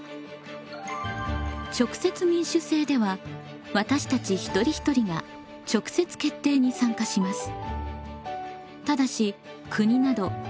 直接民主制では私たち一人一人が直接決定に参加します。